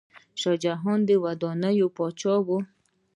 شاه جهان د ودانیو پاچا و.